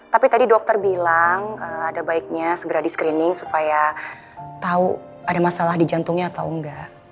tapi tadi dokter bilang ada baiknya segera di screening supaya tahu ada masalah di jantungnya atau enggak